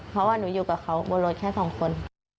เพราะว่าหนูอยู่กับเขาบนรถแค่สองคน